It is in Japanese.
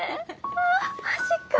あマジか！